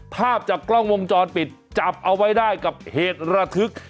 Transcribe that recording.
ภาพจากกล้องวงจรปิดจับเอาไว้ได้กับเหตุระทึก